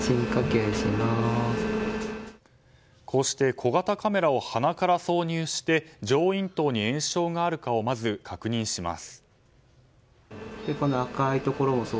小型カメラを鼻から挿入して上咽頭に炎症があるかをまず確認します。